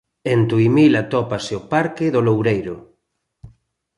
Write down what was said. En Tuimil atópase o parque do Loureiro.